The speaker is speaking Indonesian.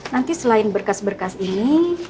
nanti selain berkas berkas ini